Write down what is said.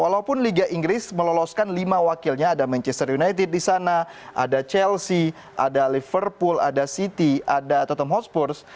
karena lima wakilnya ada manchester united di sana ada chelsea ada liverpool ada city ada tottenham hotspur